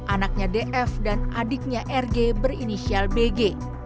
anaknya df dan adiknya rg berinisial bg